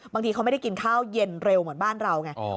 บางทีเขาไม่ได้กินข้าวเย็นเร็วเหมือนบ้านเราไง